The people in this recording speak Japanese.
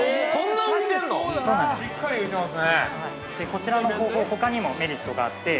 ◆こちらの方法ほかにもメリットがあって。